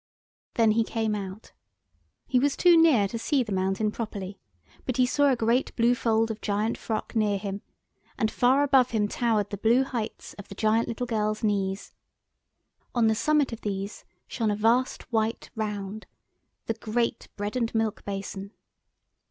Then he came out. He was too near to see the mountain properly, but he saw a great blue fold of giant frock near him, and far above him towered the blue heights of the giant little girl's knees. On the summit of these shone a vast white round—the great bread and milk basin.